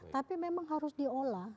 tapi memang harus diolah